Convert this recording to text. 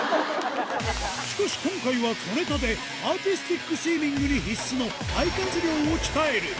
しかし今回は小ネタでアーティスティックスイミングに必須の肺活量を鍛える。